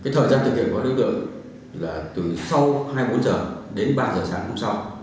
thời gian thực hiện của đối tượng là từ sau hai mươi bốn h đến ba h sáng hôm sau